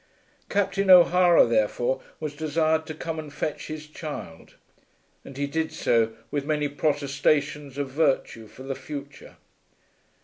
Captain O'Hara therefore was desired to come and fetch his child, and he did so, with many protestations of virtue for the future.